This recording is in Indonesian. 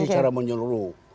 evaluasi cara menyeluruh